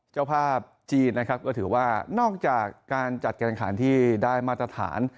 เจ้าภาพจีนนะครับก็ถือว่านอกจากการจัดการขันที่ได้มาตรฐาน